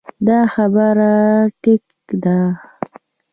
دا خبره ټيک ده -